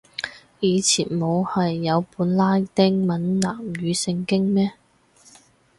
以前冇係有本拉丁閩南語聖經咩